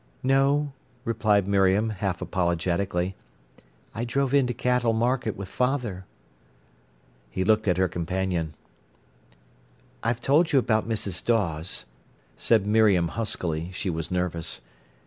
"No," replied Miriam, half apologetically. "I drove in to Cattle Market with father." He looked at her companion. "I've told you about Mrs. Dawes," said Miriam huskily; she was nervous.